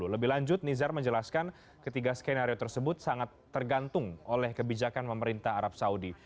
lebih lanjut nizar menjelaskan ketiga skenario tersebut sangat tergantung oleh kebijakan pemerintah arab saudi